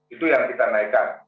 itu yang kita naikkan